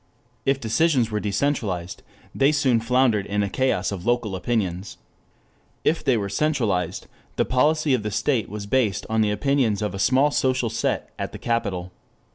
If decisions were decentralized they soon floundered in a chaos of local opinions. If they were centralized, the policy of the state was based on the opinions of a small social set at the capital.